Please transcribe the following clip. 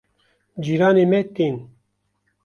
cîranê me tên